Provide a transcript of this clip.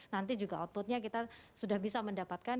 nanti juga outputnya kita sudah bisa mendapatkan